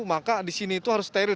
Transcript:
maka di sini itu harus steril